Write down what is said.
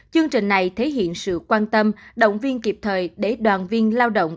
chương trình này thể hiện sự quan tâm động viên kịp thời để đoàn viên lao động